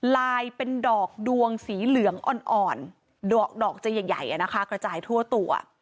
ลายเป็นดอกดวงสีเหลืองอ่อนอ่อนดอกดอกจะใหญ่ใหญ่นะคะกระจายทั่วตัว